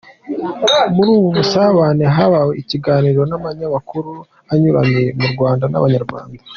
Muri ubu busabane bahawe ibiganiro n’amakuru anyuranye ku Rwanda n’Abanyarwanda.